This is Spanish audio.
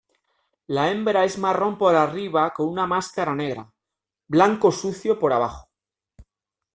La hembra es marrón por arriba con una máscara negra; blanco sucio por abajo.